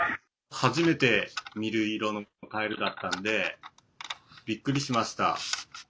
初めて見る色のカエルだったんで、びっくりしました。